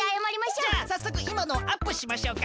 じゃあさっそくいまのをアップしましょうか。